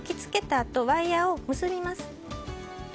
あとワイヤを結びます。